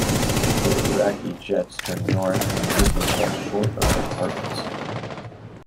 The Iraqi jets turned north and the missiles fell short of their targets.